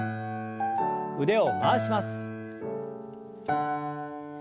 腕を回します。